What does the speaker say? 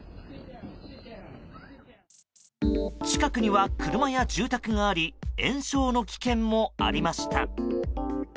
近くには車や住宅があり延焼の危険もありました。